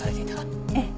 ええ。